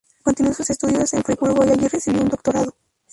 Continuó sus estudios en Friburgo y allí recibió un doctorado.